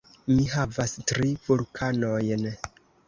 Mi havas tri vulkanojn.